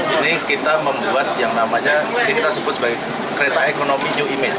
ini kita membuat yang namanya ini kita sebut sebagai kereta ekonomi new image